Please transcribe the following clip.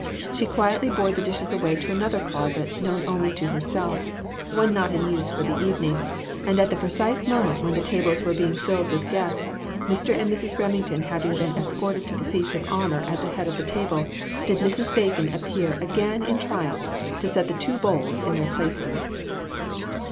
She quietly bore the dishes away to another closet, known only to herself one not in use for the evening and at the precise moment when the tables were being filled with guests, Mr. and Mrs. Reming ton having been escorted to the seats of honor at the head of the table, did Mrs. Bacon appear again in triumph to set the two bowls in their places.